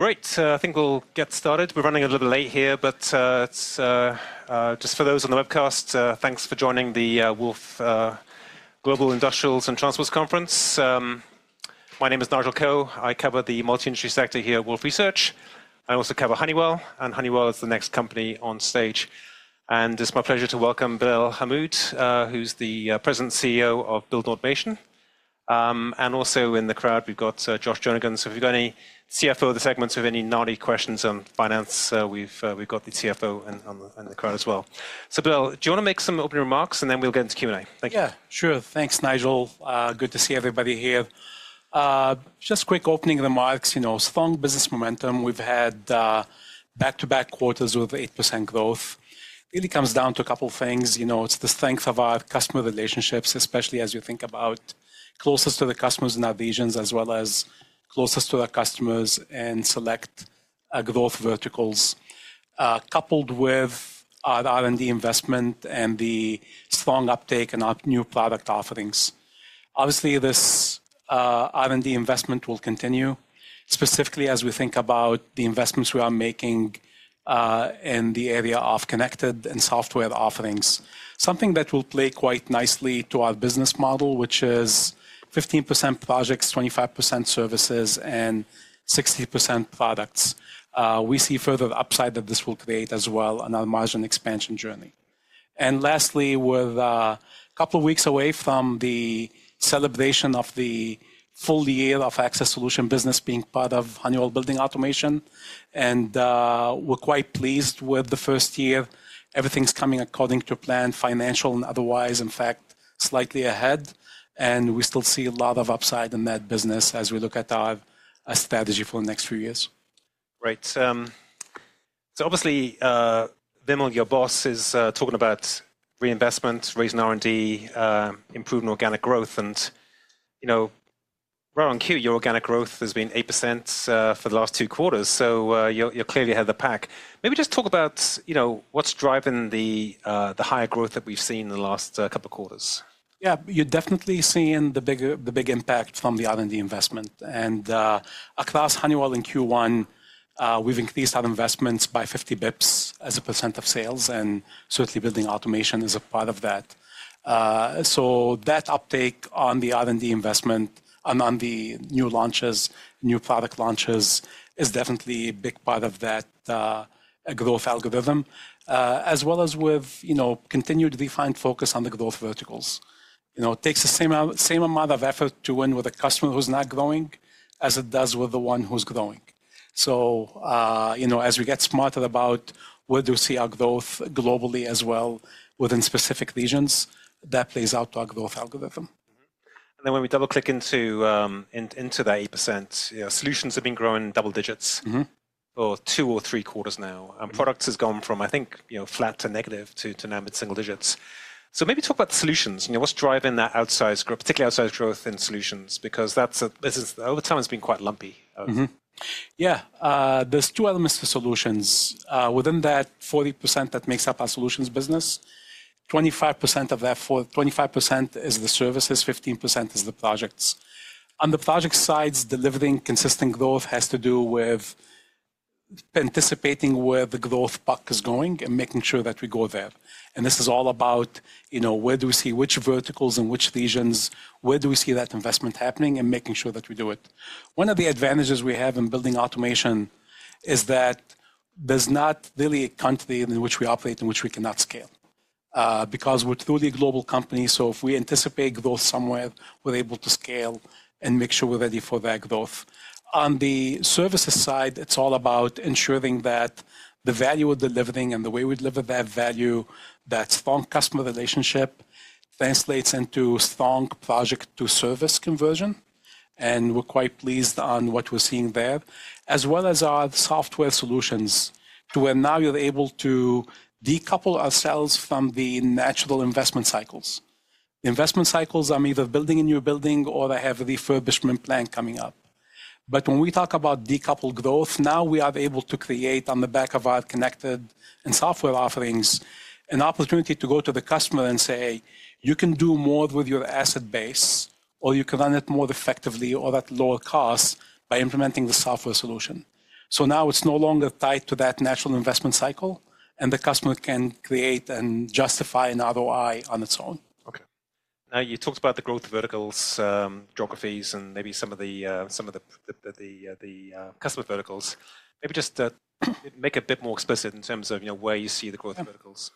Great. I think we'll get started. We're running a little late here, but just for those on the Webcast, thanks for joining the Wolfe Global Industrials and Transports Conference. My name is Nigel Coe. I cover the multi-industry sector here at Wolfe Research. I also cover Honeywell, and Honeywell is the next company on stage. It's my pleasure to welcome Bill Hammoud, who's the President and CEO of Building Automation. Also in the crowd, we've got Josh Jonagan. If you've got any CFO of the segments, if you have any nerdy questions on finance, we've got the CFO in the crowd as well. Bill, do you want to make some opening remarks, and then we'll get into Q&A? Thank you. Yeah, sure. Thanks, Nigel. Good to see everybody here. Just quick opening remarks. Strong business momentum. We've had back-to-back quarters with 8% growth. It really comes down to a couple of things. It's the strength of our customer relationships, especially as you think about closest to the customers in our regions, as well as closest to our customers in select growth verticals, coupled with our R&D investment and the strong uptake in our new product offerings. Obviously, this R&D investment will continue, specifically as we think about the investments we are making in the area of connected and software offerings, something that will play quite nicely to our business model, which is 15% projects, 25% services, and 60% products. We see further upside that this will create as well on our margin expansion journey. Lastly, we're a couple of weeks away from the celebration of the full year of Access Solutions business being part of Honeywell Building Automation. We're quite pleased with the first year. Everything's coming according to plan, financial and otherwise, in fact, slightly ahead. We still see a lot of upside in that business as we look at our strategy for the next few years. Great. Obviously, Vimal, your boss is talking about reinvestment, raising R&D, improving organic growth. And Q-on-Q, your organic growth has been 8% for the last two quarters. You clearly have the pack. Maybe just talk about what's driving the higher growth that we've seen in the last couple of quarters. Yeah, you're definitely seeing the big impact from the R&D investment. Across Honeywell in Q1, we've increased our investments by 50 bps as a % of sales. Certainly, Building Automation is a part of that. That uptake on the R&D investment and on the new product launches is definitely a big part of that growth algorithm, as well as with continued refined focus on the growth verticals. It takes the same amount of effort to win with a customer who's not growing as it does with the one who's growing. As we get smarter about where do we see our growth globally as well within specific regions, that plays out to our growth algorithm. When we double-click into that 8%, solutions have been growing double digits for two or three quarters now. Products have gone from, I think, flat to negative to now single digits. Maybe talk about solutions. What's driving that outsized growth, particularly outsized growth in solutions? Because over time, it's been quite lumpy. Yeah. There are two elements for solutions. Within that 40% that makes up our solutions business, 25% of that, 25% is the services, 15% is the projects. On the project sides, delivering consistent growth has to do with anticipating where the growth puck is going and making sure that we go there. This is all about where do we see which verticals in which regions, where do we see that investment happening, and making sure that we do it. One of the advantages we have in Building Automation is that there is not really a country in which we operate in which we cannot scale. Because we are truly a global company. If we anticipate growth somewhere, we are able to scale and make sure we are ready for that growth. On the services side, it's all about ensuring that the value we're delivering and the way we deliver that value, that strong customer relationship translates into strong project-to-service conversion. We're quite pleased on what we're seeing there, as well as our software solutions to where now you're able to decouple ourselves from the natural investment cycles. Investment cycles are either building a new building or they have a refurbishment plan coming up. When we talk about decoupled growth, now we are able to create, on the back of our connected and software offerings, an opportunity to go to the customer and say, you can do more with your asset base, or you can run it more effectively or at lower cost by implementing the software solution. Now it's no longer tied to that natural investment cycle, and the customer can create and justify an ROI on its own. Okay. Now, you talked about the growth verticals, geographies, and maybe some of the customer verticals. Maybe just make it a bit more explicit in terms of where you see the growth verticals?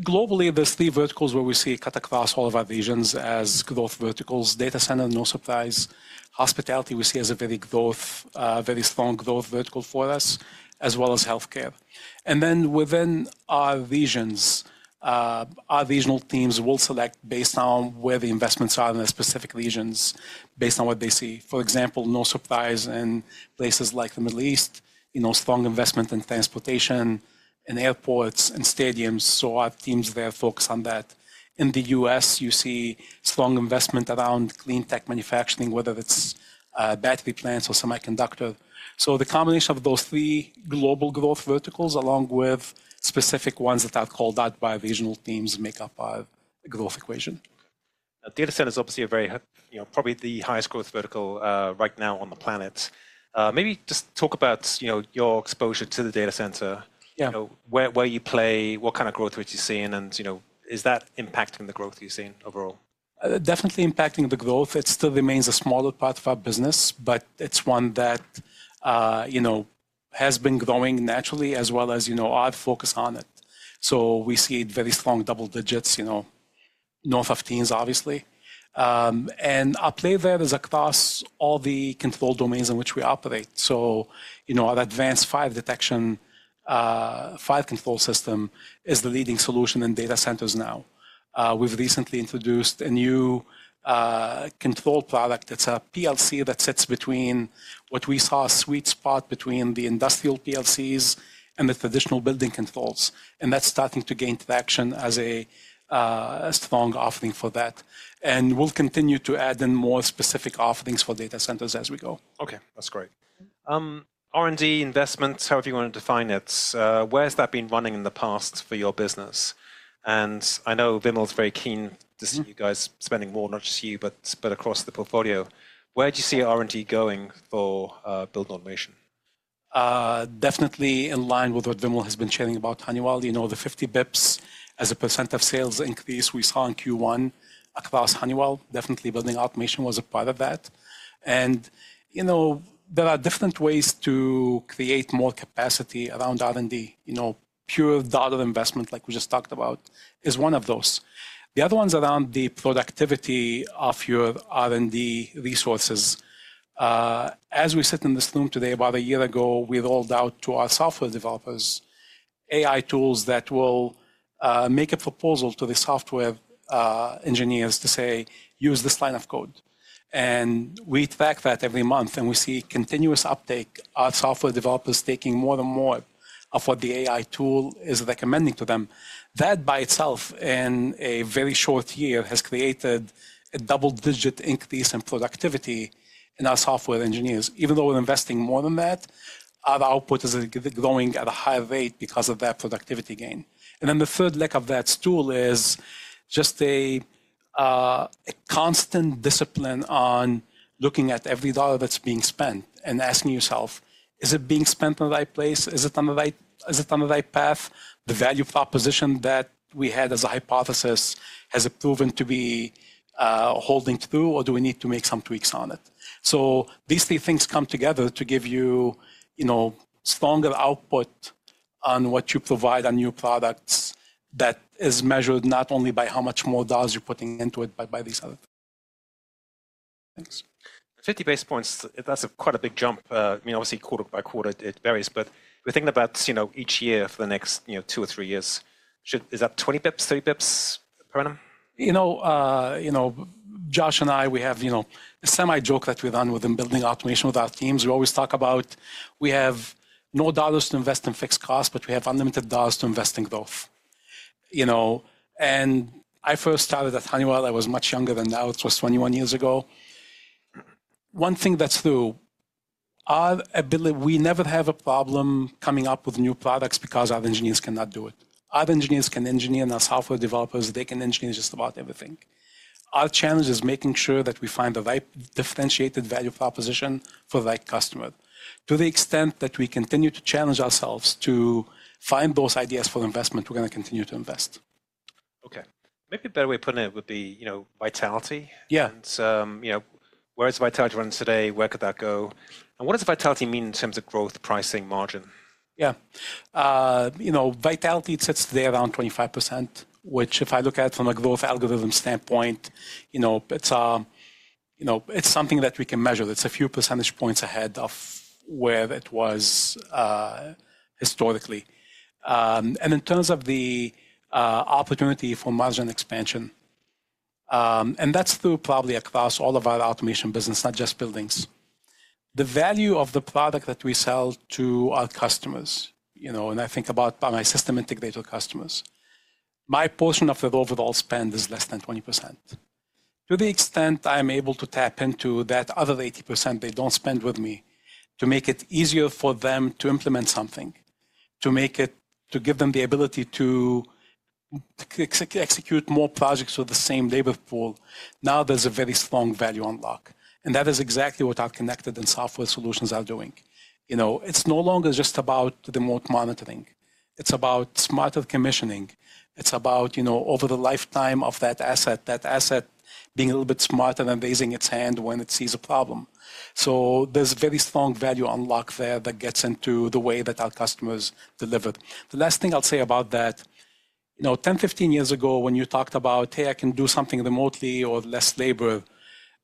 Globally, there's three verticals where we see cut across all of our regions as growth verticals. Data center, no surprise. Hospitality we see as a very strong growth vertical for us, as well as healthcare. Then within our regions, our regional teams will select based on where the investments are in our specific regions based on what they see. For example, no surprise in places like the Middle East, strong investment in transportation, in airports, in stadiums. Our teams there focus on that. In the U.S., you see strong investment around clean tech manufacturing, whether it's battery plants or semiconductor. The combination of those three global growth verticals along with specific ones that are called out by regional teams make up our growth equation. Data center is obviously probably the highest growth vertical right now on the planet. Maybe just talk about your exposure to the data center. Where you play, what kind of growth you're seeing, and is that impacting the growth you're seeing overall? Definitely impacting the growth. It still remains a smaller part of our business, but it's one that has been growing naturally, as well as our focus on it. We see very strong double digits north of teens, obviously. Our play there is across all the control domains in which we operate. Our advanced fire detection, fire control system is the leading solution in data centers now. We've recently introduced a new control product. It's a PLC that sits between what we saw a sweet spot between the industrial PLCs and the traditional building controls. That's starting to gain traction as a strong offering for that. We'll continue to add in more specific offerings for data centers as we go. Okay, that's great. R&D investment, however you want to define it, where has that been running in the past for your business? I know Vimal is very keen to see you guys spending more, not just you, but across the portfolio. Where do you see R&D going for Building Automation? Definitely in line with what Vimal has been sharing about Honeywell. The 50 basis points as a % of sales increase we saw in Q1 across Honeywell, definitely Building Automation was a part of that. There are different ways to create more capacity around R&D. Pure dollar investment, like we just talked about, is one of those. The other one's around the productivity of your R&D resources. As we sit in this room today, about a year ago, we rolled out to our software developers AI tools that will make a proposal to the software engineers to say, use this line of code. We track that every month, and we see continuous uptake. Our software developers are taking more and more of what the AI tool is recommending to them. That by itself, in a very short year, has created a double-digit increase in productivity in our software engineers. Even though we're investing more than that, our output is growing at a higher rate because of that productivity gain. The third leg of that tool is just a constant discipline on looking at every dollar that's being spent and asking yourself, is it being spent in the right place? Is it on the right path? The value proposition that we had as a hypothesis has proven to be holding through, or do we need to make some tweaks on it? These three things come together to give you stronger output on what you provide on new products that is measured not only by how much more dollars you're putting into it, but by these other. Thanks. 50 basis points, that's quite a big jump. I mean, obviously, quarter by quarter, it varies. But we're thinking about each year for the next 2 or 3 years. Is that 20 bps, 30 bps per annum? You know, Josh and I, we have a semi-joke that we run within Building Automation with our teams. We always talk about we have no dollars to invest in fixed costs, but we have unlimited dollars to invest in growth. I first started at Honeywell. I was much younger than now. It was 21 years ago. One thing that's true, we never have a problem coming up with new products because our engineers cannot do it. Our engineers can engineer and our software developers, they can engineer just about everything. Our challenge is making sure that we find the right differentiated value proposition for the right customer. To the extent that we continue to challenge ourselves to find those ideas for investment, we're going to continue to invest. Okay. Maybe a better way of putting it would be vitality? Yeah. Where is vitality running today? Where could that go? What does vitality mean in terms of growth, pricing, margin? Yeah. Vitality sits today around 25%, which if I look at it from a growth algorithm standpoint, it's something that we can measure. It's a few percentage points ahead of where it was historically. In terms of the opportunity for margin expansion, and that's through probably across all of our Automation business, not just buildings, the value of the product that we sell to our customers, and I think about my system integrator customers, my portion of the overall spend is less than 20%. To the extent I am able to tap into that other 80% they don't spend with me to make it easier for them to implement something, to give them the ability to execute more projects with the same labor pool, now there's a very strong value unlock. That is exactly what our connected and software solutions are doing. It's no longer just about remote monitoring. It's about smarter commissioning. It's about over the lifetime of that asset, that asset being a little bit smarter than raising its hand when it sees a problem. There is a very strong value unlock there that gets into the way that our customers deliver. The last thing I'll say about that, 10-15 years ago, when you talked about, hey, I can do something remotely or less labor,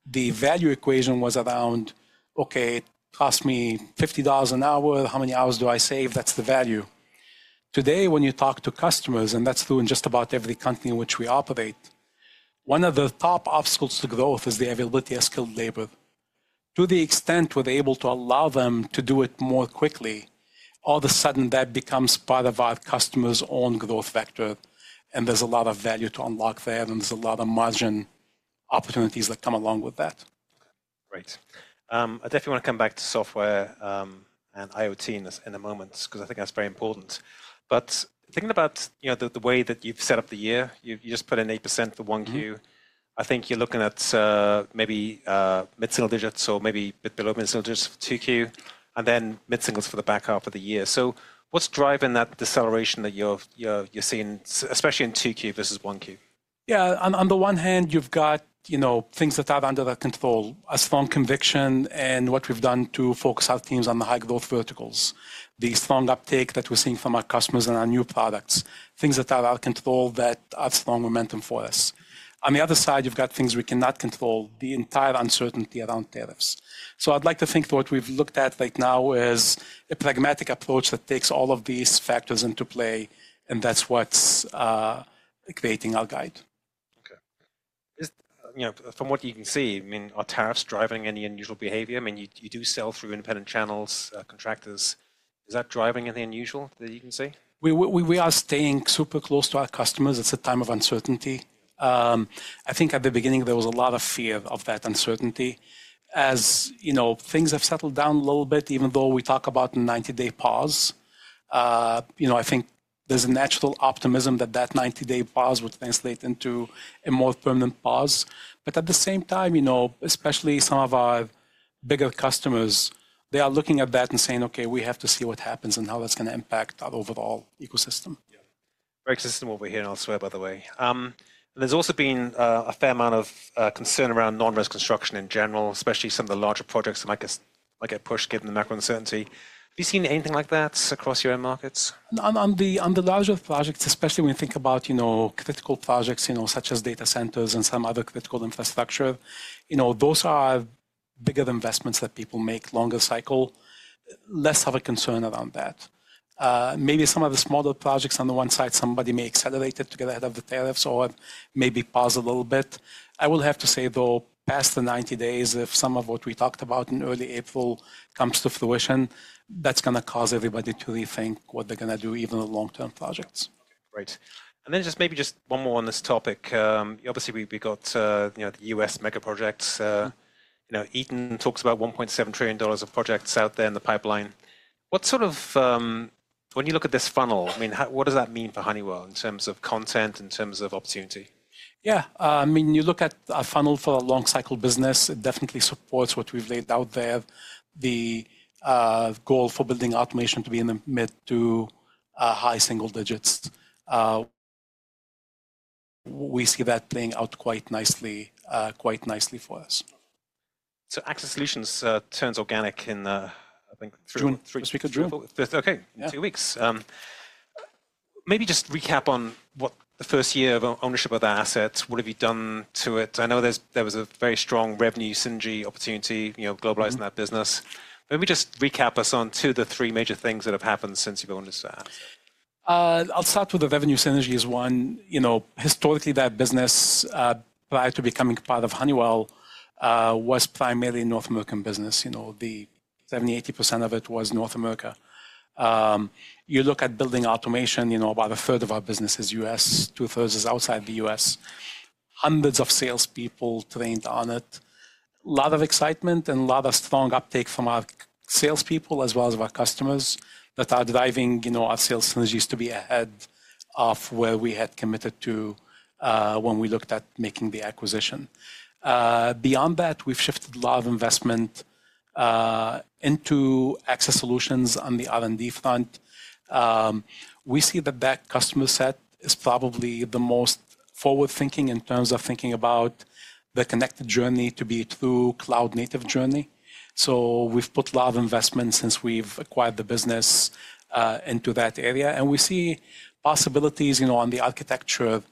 the value equation was around, okay, cost me $50 an hour. How many hours do I save? That's the value. Today, when you talk to customers, and that's true in just about every company in which we operate, one of the top obstacles to growth is the availability of skilled labor. To the extent we're able to allow them to do it more quickly, all of a sudden, that becomes part of our customer's own growth vector. There's a lot of value to unlock there, and there's a lot of margin opportunities that come along with that. Great. I definitely want to come back to software and IoT in a moment because I think that's very important. But thinking about the way that you've set up the year, you just put in 8% for 1Q. I think you're looking at maybe mid-single digits or maybe a bit below mid-single digits for 2Q, and then mid-singles for the back half of the year. So what's driving that deceleration that you're seeing, especially in 2Q versus 1Q? Yeah, on the one hand, you've got things that are under our control, a strong conviction, and what we've done to focus our teams on the high growth verticals, the strong uptake that we're seeing from our customers and our new products, things that are out of control that are strong momentum for us. On the other side, you've got things we cannot control, the entire uncertainty around tariffs. I'd like to think what we've looked at right now is a pragmatic approach that takes all of these factors into play, and that's what's creating our guide. Okay. From what you can see, I mean, are tariffs driving any unusual behavior? I mean, you do sell through independent channels, contractors. Is that driving anything unusual that you can see? We are staying super close to our customers. It's a time of uncertainty. I think at the beginning, there was a lot of fear of that uncertainty. As things have settled down a little bit, even though we talk about a 90-day pause, I think there's a natural optimism that that 90-day pause would translate into a more permanent pause. At the same time, especially some of our bigger customers, they are looking at that and saying, okay, we have to see what happens and how that's going to impact our overall ecosystem. Yeah. Very consistent with what we're hearing elsewhere, by the way. There's also been a fair amount of concern around non-risk construction in general, especially some of the larger projects that might get pushed given the macro uncertainty. Have you seen anything like that across your own markets? On the larger projects, especially when you think about critical projects such as data centers and some other critical infrastructure, those are bigger investments that people make longer cycle. Less of a concern around that. Maybe some of the smaller projects on the one side, somebody may accelerate it to get ahead of the tariffs or maybe pause a little bit. I will have to say, though, past the 90 days, if some of what we talked about in early April comes to fruition, that's going to cause everybody to rethink what they're going to do, even on long-term projects. Great. Maybe just one more on this topic. Obviously, we've got the U.S. mega projects. Eaton talks about $1.7 trillion of projects out there in the pipeline. What sort of, when you look at this funnel, I mean, what does that mean for Honeywell in terms of content, in terms of opportunity? Yeah. I mean, you look at our funnel for a long-cycle business. It definitely supports what we've laid out there, the goal for Building Automation to be in the mid to high single digits. We see that playing out quite nicely for us. So Access Solutions turns organic in, I think, three weeks. June. Okay, in two weeks. Maybe just recap on what the first year of ownership of that asset, what have you done to it? I know there was a very strong revenue synergy opportunity, globalizing that business. Maybe just recap us on two to three major things that have happened since you've owned this asset? I'll start with the revenue synergy is one. Historically, that business, prior to becoming part of Honeywell, was primarily North American business. 70%, 80% of it was North America. You look at Building Automation, about 1/3 of our business is U.S., 2/3 is outside the U.S. Hundreds of salespeople trained on it. A lot of excitement and a lot of strong uptake from our salespeople as well as our customers that are driving our sales synergies to be ahead of where we had committed to when we looked at making the acquisition. Beyond that, we've shifted a lot of investment into Access Solutions on the R&D front. We see that that customer set is probably the most forward-thinking in terms of thinking about the connected journey to be a true cloud-native journey. We've put a lot of investment since we've acquired the business into that area. We see possibilities on the architecture,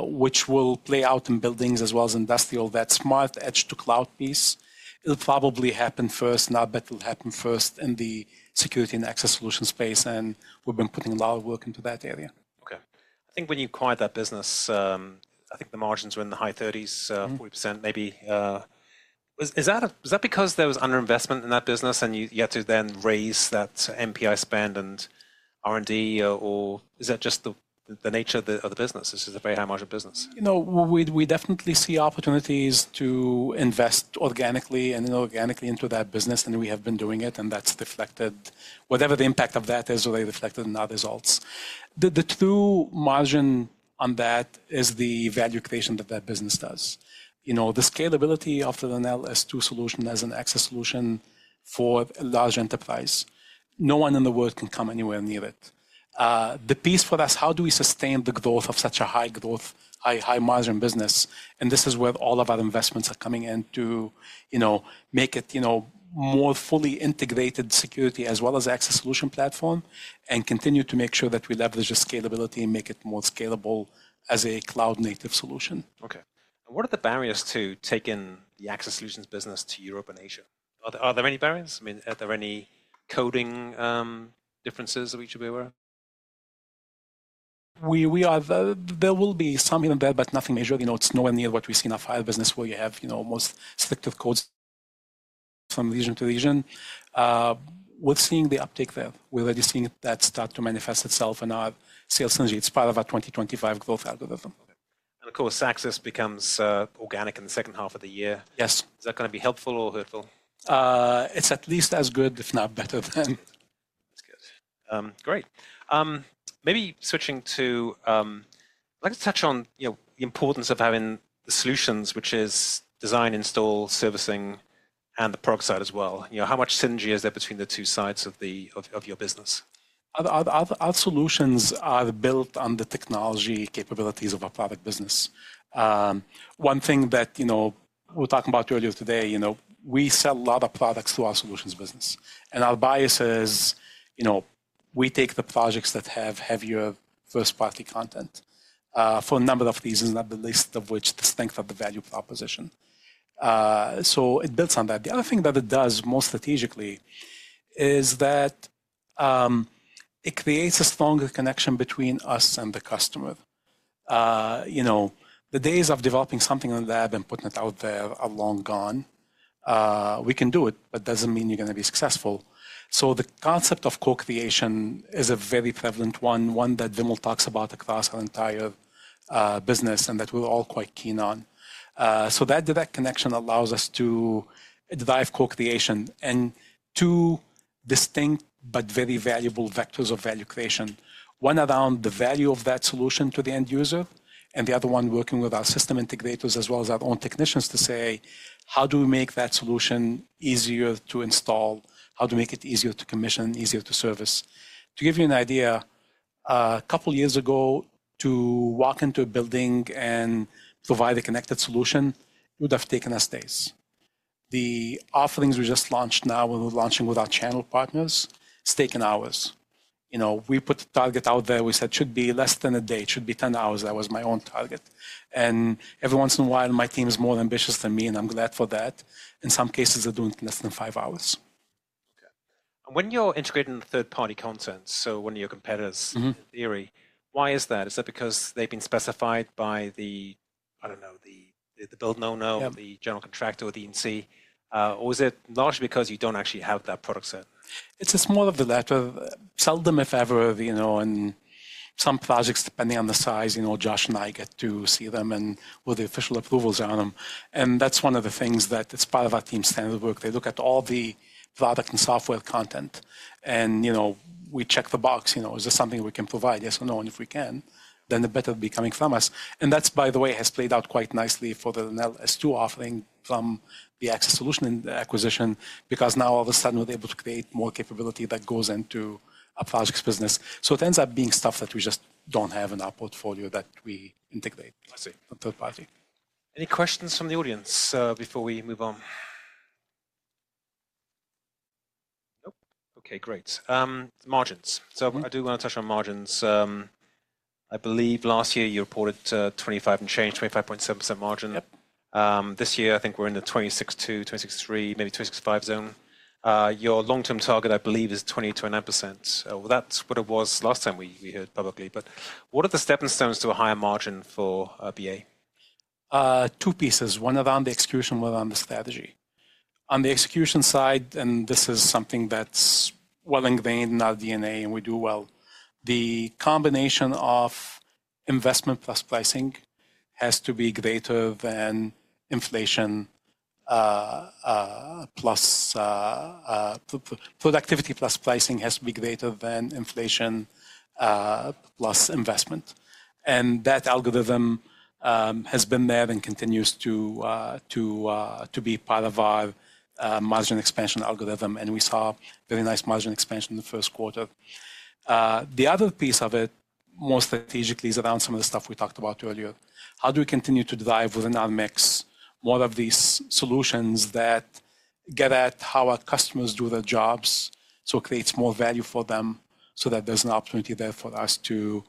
which will play out in buildings as well as industrial. That smart edge-to-cloud piece, it'll probably happen first, not that it'll happen first in the security and Access Solution space. We have been putting a lot of work into that area. Okay. I think when you acquired that business, I think the margins were in the high 30s percent, 40% maybe. Is that because there was underinvestment in that business and you had to then raise that NPI spend and R&D, or is that just the nature of the business? This is a very high-margin business. We definitely see opportunities to invest organically and inorganically into that business, and we have been doing it, and that's deflected. Whatever the impact of that is, it will be reflected in our results. The true margin on that is the value creation that that business does. The scalability of an LS2 solution as an Access Solution for a large enterprise, no one in the world can come anywhere near it. The piece for us, how do we sustain the growth of such a high-growth, high-margin business? This is where all of our investments are coming in to make it more fully integrated security as well as Access Solution platform and continue to make sure that we leverage the scalability and make it more scalable as a cloud-native solution. Okay. And what are the barriers to taking the Access Solutions business to Europe and Asia? Are there any barriers? I mean, are there any coding differences that we should be aware of? There will be something there, but nothing major. It's nowhere near what we've seen in our prior business where you have most strict codes from region to region. We're seeing the uptake there. We're already seeing that start to manifest itself in our sales synergy. It's part of our 2025 growth algorithm. Access becomes organic in the second half of the year. Yes. Is that going to be helpful or hurtful? It's at least as good, if not better than. That's good. Great. Maybe switching to, I'd like to touch on the importance of having the solutions, which is design, install, servicing, and the product side as well. How much synergy is there between the two sides of your business? Our solutions are built on the technology capabilities of our product business. One thing that we were talking about earlier today, we sell a lot of products through our Solutions business. Our bias is we take the projects that have heavier first-party content for a number of reasons, not the least of which the strength of the value proposition. It builds on that. The other thing that it does more strategically is that it creates a stronger connection between us and the customer. The days of developing something in the lab and putting it out there are long gone. We can do it, but it does not mean you are going to be successful. The concept of co-creation is a very prevalent one, one that Vimal talks about across our entire business and that we are all quite keen on. That direct connection allows us to drive co-creation in two distinct but very valuable vectors of value creation, one around the value of that solution to the end user, and the other one working with our system integrators as well as our own technicians to say, how do we make that solution easier to install? How do we make it easier to commission, easier to service? To give you an idea, a couple of years ago, to walk into a building and provide a connected solution, it would have taken us days. The offerings we just launched now, we're launching with our channel partners, it's taken hours. We put the target out there. We said it should be less than a day. It should be 10 hours. That was my own target. Every once in a while, my team is more ambitious than me, and I'm glad for that. In some cases, they're doing less than 5 hours. Okay. When you're integrating third-party content, so one of your competitors, theory, why is that? Is that because they've been specified by the, I don't know, the builder, the general contractor or the E&C, or is it largely because you don't actually have that product set? It's more of the latter. Seldom, if ever, in some projects, depending on the size, Josh and I get to see them and where the official approvals are on them. That's one of the things that is part of our team's standard work. They look at all the product and software content, and we check the box. Is there something we can provide? Yes or no. If we can, then the better it'll be coming from us. That, by the way, has played out quite nicely for the LenelS2 offering from the Access Solutions acquisition because now, all of a sudden, we're able to create more capability that goes into our projects business. It ends up being stuff that we just don't have in our portfolio that we integrate from third-party. Any questions from the audience before we move on? Okay, great. Margins. I do want to touch on margins. I believe last year you reported 25% and change, 25.7% margin. This year, I think we are in the 26.2%, 26.3%, maybe 26.5% zone. Your long-term target, I believe, is 20%-29%. That is what it was last time we heard publicly. What are the stepping stones to a higher margin for BA? Two pieces. One around the execution, one around the strategy. On the execution side, and this is something that's well-engrained in our DNA and we do well, the combination of investment + pricing has to be greater than inflation +, productivity + pricing has to be greater than inflation + investment. That algorithm has been there and continues to be part of our margin expansion algorithm. We saw very nice margin expansion in the first quarter. The other piece of it, more strategically, is around some of the stuff we talked about earlier. How do we continue to drive within our mix more of these solutions that get at how our customers do their jobs, so it creates more value for them so that there's an opportunity there for us to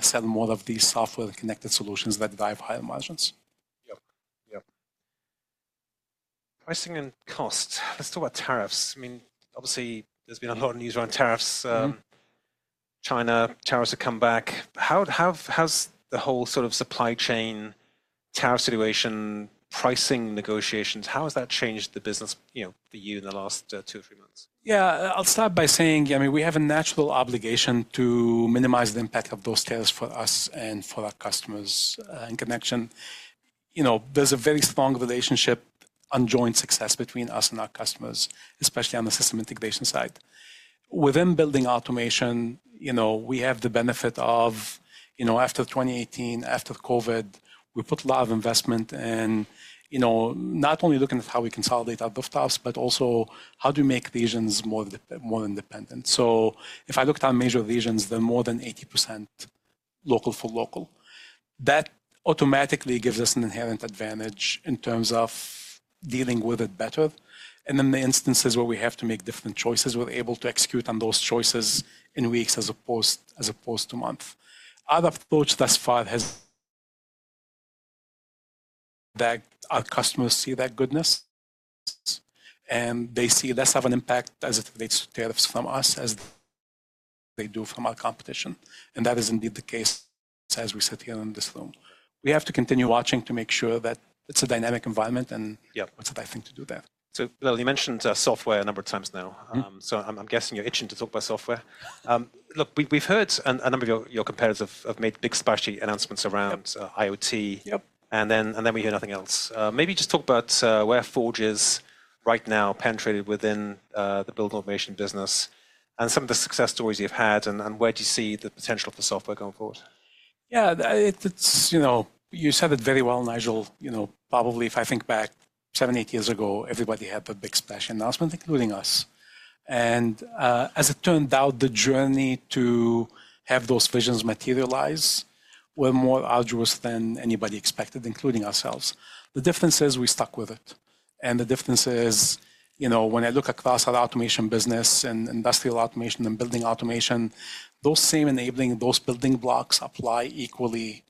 sell more of these software-connected solutions that drive higher margins? Yep, yep. Pricing and costs. Let's talk about tariffs. I mean, obviously, there's been a lot of news around tariffs. China, tariffs have come back. How has the whole sort of supply chain tariff situation, pricing negotiations, how has that changed the business for you in the last 2 or 3 months? Yeah, I'll start by saying, I mean, we have a natural obligation to minimize the impact of those tariffs for us and for our customers in connection. There's a very strong relationship, unjoined success between us and our customers, especially on the system integration side. Within Building Automation, we have the benefit of, after 2018, after COVID, we put a lot of investment in not only looking at how we consolidate our rooftops but also how do we make regions more independent. If I look at our major regions, they're more than 80% local for local. That automatically gives us an inherent advantage in terms of dealing with it better. In the instances where we have to make different choices, we're able to execute on those choices in weeks as opposed to months. Our approach thus far has that our customers see that goodness, and they see less of an impact as it relates to tariffs from us as they do from our competition. That is indeed the case as we sit here in this room. We have to continue watching to make sure that it's a dynamic environment, and that's the right thing to do there. You mentioned software a number of times now. I'm guessing you're itching to talk about software. Look, we've heard a number of your competitors have made big splashy announcements around IoT, and then we hear nothing else. Maybe just talk about where Forge is right now penetrated within the Building Automation business and some of the success stories you've had, and where do you see the potential for software going forward? Yeah, you said it very well, Nigel. Probably if I think back seven, eight years ago, everybody had the big splash announcement, including us. As it turned out, the journey to have those visions materialize was more arduous than anybody expected, including ourselves. The difference is we stuck with it. The difference is when I look across our Automation business and industrial automation and Building Automation, those same enabling, those building blocks apply equally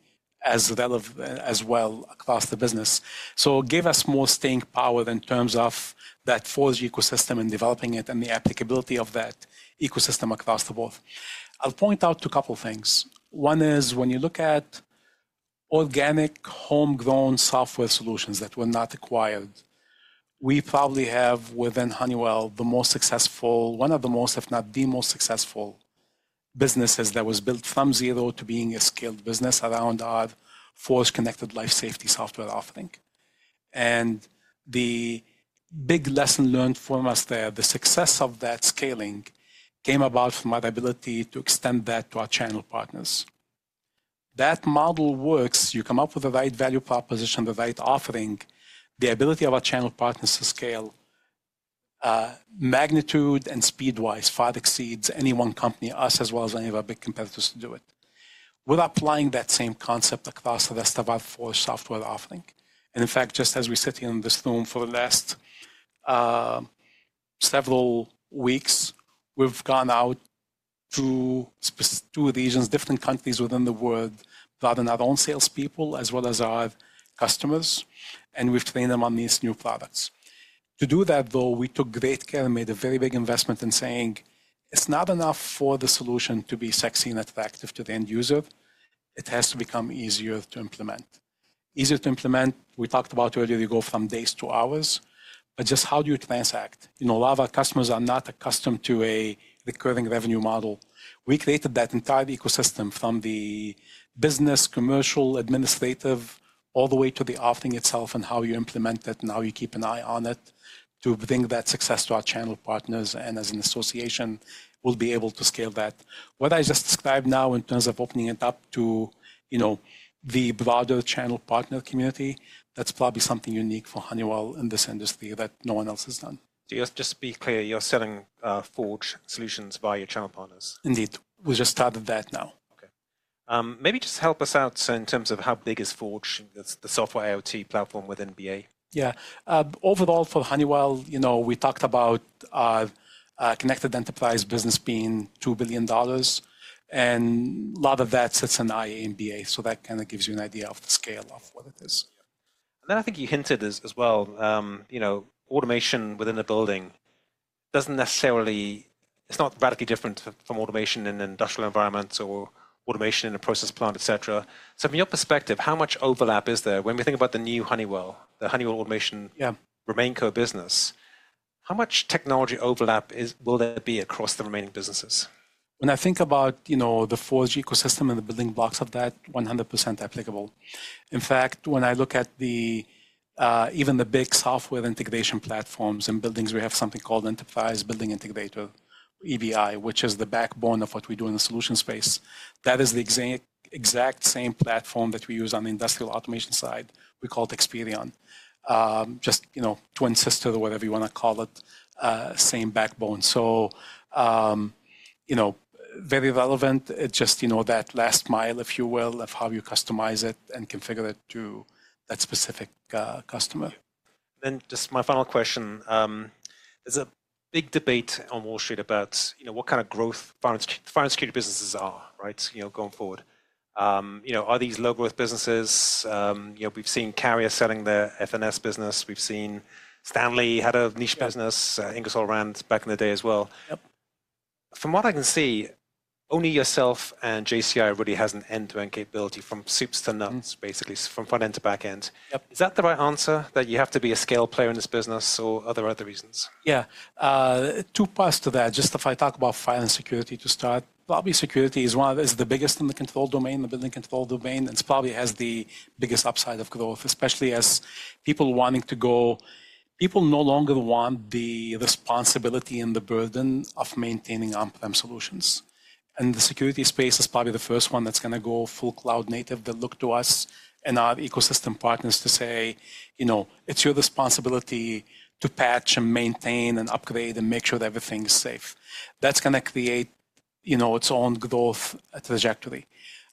as well across the business. It gave us more staying power in terms of that Forge ecosystem and developing it and the applicability of that ecosystem across the board. I'll point out a couple of things. One is when you look at organic homegrown software solutions that were not acquired, we probably have within Honeywell the most successful, one of the most, if not the most successful businesses that was built from zero to being a scaled business around our Forge Connected Life Safety software offering. The big lesson learned for us there, the success of that scaling came about from our ability to extend that to our channel partners. That model works. You come up with the right value proposition, the right offering, the ability of our channel partners to scale, magnitude and speed-wise far exceeds any one company, us as well as any of our big competitors to do it. We are applying that same concept across the rest of our Forge software offering. In fact, just as we sit here in this room for the last several weeks, we've gone out to two regions, different countries within the world, brought in our own salespeople as well as our customers, and we've trained them on these new products. To do that, though, we took great care and made a very big investment in saying, it's not enough for the solution to be sexy and attractive to the end user. It has to become easier to implement. Easier to implement, we talked about earlier, you go from days to hours, but just how do you transact? A lot of our customers are not accustomed to a recurring revenue model. We created that entire ecosystem from the business, commercial, administrative, all the way to the offering itself and how you implement it and how you keep an eye on it to bring that success to our channel partners. As an association, we'll be able to scale that. What I just described now in terms of opening it up to the broader channel partner community, that's probably something unique for Honeywell in this industry that no one else has done. Just to be clear, you're selling Forge solutions via your channel partners? Indeed. We just started that now. Okay. Maybe just help us out in terms of how big is Forge, the software IoT platform within BA? Yeah. Overall, for Honeywell, we talked about our connected enterprise business being $2 billion, and a lot of that sits in IA and BA. That kind of gives you an idea of the scale of what it is. I think you hinted as well, automation within a building doesn't necessarily, it's not radically different from automation in an industrial environment or automation in a process plant, et cetera. From your perspective, how much overlap is there? When we think about the new Honeywell, the Honeywell automation remain co-business, how much technology overlap will there be across the remaining businesses? When I think about the Forge ecosystem and the building blocks of that, 100% applicable. In fact, when I look at even the big software integration platforms in buildings, we have something called Enterprise Building Integrator, EBI, which is the backbone of what we do in the solution space. That is the exact same platform that we use on the industrial automation side. We call it Experion, just twin sister or whatever you want to call it, same backbone. Very relevant. It's just that last mile, if you will, of how you customize it and configure it to that specific customer. Just my final question. There's a big debate on Wall Street about what kind of growth financial security businesses are, right, going forward. Are these low-growth businesses? We've seen Carrier selling their F&S business. We've seen Stanley Head of niche business, Ingersoll Rand back in the day as well. From what I can see, only yourself and JCI really has an end-to-end capability from soups to nuts, basically, from front-end to back-end. Is that the right answer that you have to be a scale player in this business or are there other reasons? Yeah. Two parts to that. Just if I talk about finance security to start, probably security is the biggest in the control domain, the building control domain. It probably has the biggest upside of growth, especially as people wanting to go, people no longer want the responsibility and the burden of maintaining on-prem solutions. The security space is probably the first one that's going to go full cloud native that looked to us and our ecosystem partners to say, it's your responsibility to patch and maintain and upgrade and make sure that everything's safe. That's going to create its own growth trajectory.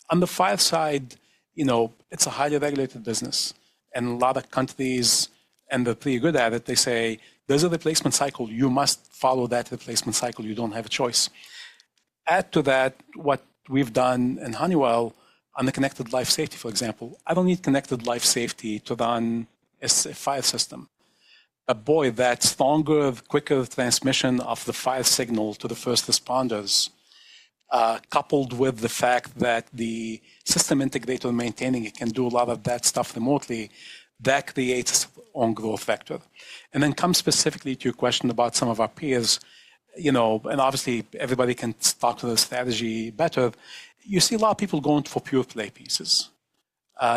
On the fire side, it's a highly regulated business. In a lot of countries, and they're pretty good at it, they say, there's a replacement cycle. You must follow that replacement cycle. You don't have a choice. Add to that what we've done in Honeywell on the Connected Life Safety, for example. I don't need Connected Life Safety to run a fire system. Boy, that stronger, quicker transmission of the fire signal to the first responders, coupled with the fact that the system integrator maintaining it can do a lot of that stuff remotely, that creates its own growth vector. Come specifically to your question about some of our peers, and obviously, everybody can talk to the strategy better. You see a lot of people going for pure play pieces.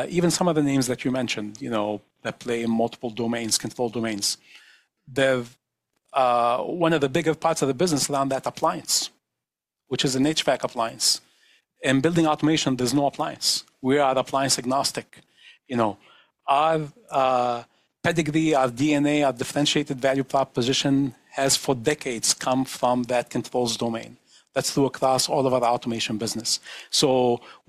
Even some of the names that you mentioned that play in multiple domains, control domains, they're one of the bigger parts of the business around that appliance, which is an HVAC appliance. In building automation, there's no appliance. We are appliance agnostic. Our pedigree, our DNA, our differentiated value proposition has for decades come from that controls domain. That is through across all of our Automation business.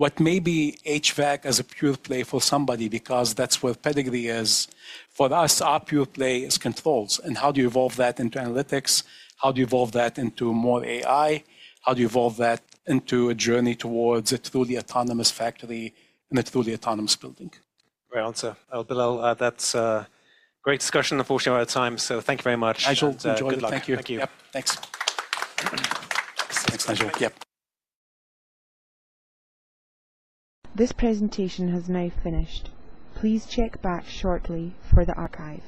What may be HVAC as a pure play for somebody because that is where pedigree is, for us, our pure play is controls. How do you evolve that into analytics? How do you evolve that into more AI? How do you evolve that into a journey towards a truly autonomous factory and a truly autonomous building? Great answer. Bill, that's a great discussion. Unfortunately, we're out of time. So thank you very much. I enjoyed the talk. Nigel, thank you. Thanks. Thanks, Nigel. This presentation has now finished. Please check back shortly for the archive.